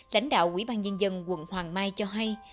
lãnh đạo quỹ ban nhân dân quận hoàng mai cho hay